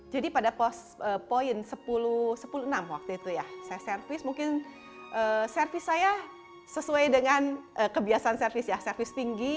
jadi pada poin sepuluh enam belas waktu itu ya saya servis mungkin servis saya sesuai dengan kebiasaan servis ya servis tinggi